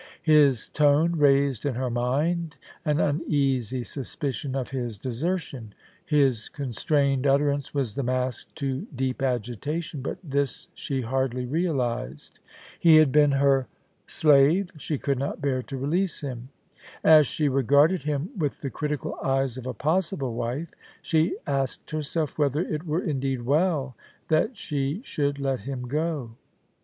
His tone raised in her mind an uneasy suspicion of his desertion. His constrained utterance was the mask to deep agitation, but this she hardly realised. He had been her THE ENCHANTRESS OF KOORALBYN. 87 slave ; she could not bear to release him. As §he regarded him with the critical eyes of a possible wif^ she asked her self whether it were indeed well that she should let him go.